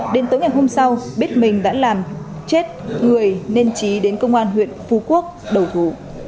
đến tối ngày hôm sau biết mình đã làm chết người nên trí đến công an huyện phú quốc đầu thú